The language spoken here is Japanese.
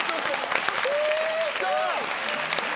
きた！